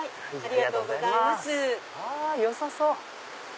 よさそう！